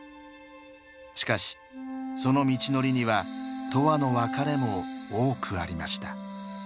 しかしその道のりには永久の別れも多くありました。